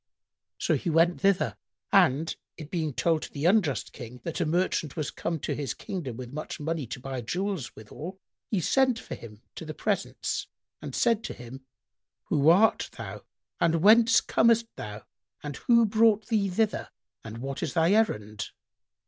So he went thither; and, it being told to the unjust King that a merchant was come to his kingdom with much money to buy jewels withal, he sent for him to the presence and said to him, "Who art thou and whence comest thou and who brought thee thither and what is thy errand?"